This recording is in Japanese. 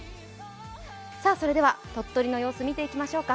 それでは鳥取の様子見ていきましょうか。